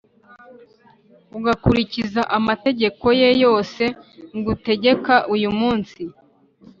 ugakurikiza amategeko ye yose ngutegeka uyu munsi,